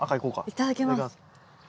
いただきます。